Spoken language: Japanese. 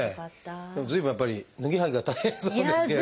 でも随分やっぱり脱ぎはきが大変そうですけれどもね。